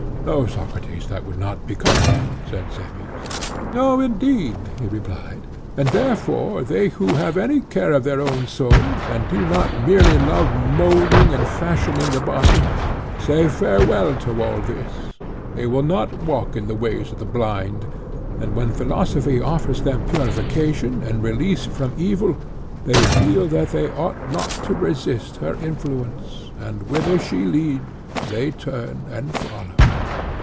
No, Socrates, that would not become them, said Cebes. No indeed, he replied; and therefore they who have any care of their own souls, and do not merely live moulding and fashioning the body, say farewell to all this; they will not walk in the ways of the blind: and when philosophy offers them purification and release from evil, they feel that they ought not to resist her influence, and whither she leads they turn and follow.